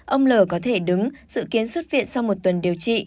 ông l có thể đứng dự kiến xuất viện sau một tuần điều trị